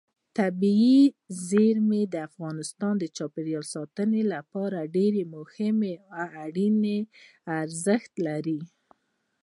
طبیعي زیرمې د افغانستان د چاپیریال ساتنې لپاره ډېر مهم او اړین ارزښت لري.